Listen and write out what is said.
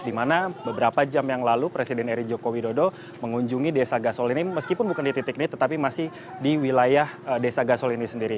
di mana beberapa jam yang lalu presiden eri joko widodo mengunjungi desa gasol ini meskipun bukan di titik ini tetapi masih di wilayah desa gasol ini sendiri